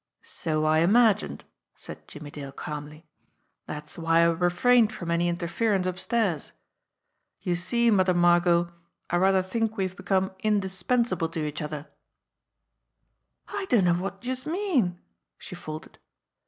"So I imagined," said Jimmie Dale calmly. "That's why I refrained from any interference upstairs. You see, Mother Margot, I rather think we have become indispensable to each Other." MOTHER MARGOT <S1 "I dunno wot youse mean," she faltered.